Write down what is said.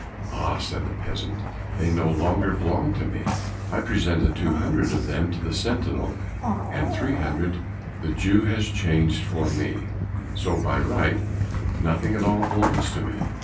"Ah!" said the peasant, "they no longer belong to me; I presented two hundred of them to the sentinel, and three hundred the Jew has changed for me, so by right nothing at all belongs to me."